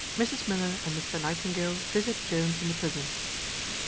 Mrs Miller and Mr Nightingale visit Jones in the prison.